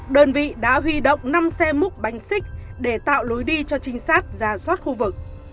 đơn vị đã huy động năm xe múc bánh xích để tạo lối đi cho trinh sát ra soát khu vực